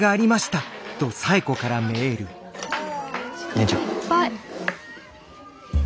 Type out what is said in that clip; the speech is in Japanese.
姉ちゃん。